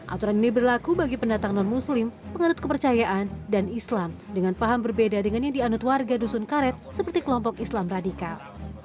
aturan ini berlaku bagi pendatang non muslim penganut kepercayaan dan islam dengan paham berbeda dengan yang dianut warga dusun karet seperti kelompok islam radikal